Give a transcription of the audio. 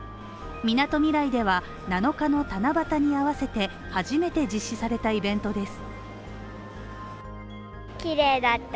みなとみらいでは、７日の七夕に合わせて初めて実施されたイベントです。